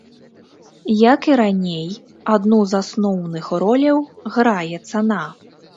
Як і раней, адну з асноўных роляў грае цана.